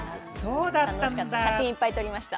写真いっぱい撮りました。